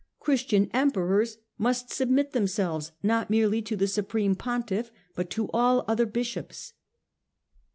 Christian Emperors must submit themselves not merely to the supreme Pontiff, but to all other Bishops.